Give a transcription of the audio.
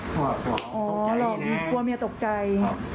ปะว่าหากมันเสียแน่